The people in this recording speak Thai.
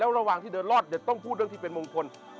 ระหว่างที่เดินรอดต้องพูดเรื่องที่เป็นมงคล